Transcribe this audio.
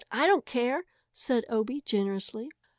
I don't care," said Obie generously.